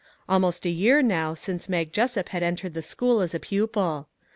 Almost a year, now, since Mag Jessup had entered the school as a pupil.